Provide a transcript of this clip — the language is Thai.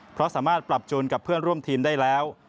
เพราะสามารถปรับจูนกับเพื่อนร่วมทีมได้แล้ว